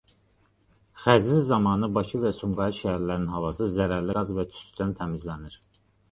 Xəzri zamanı Bakı və Sumqayıt şəhərlərinin havası zərərli qaz və tüstüdən təmizlənir.